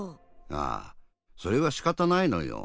ああそれはしかたないのよ。